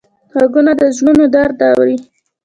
غوږونه د زړونو درد اوري